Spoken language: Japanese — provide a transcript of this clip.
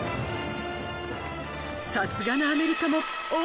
さすがのアメリカも。